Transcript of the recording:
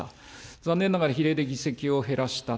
残念ながら、比例で議席を減らした。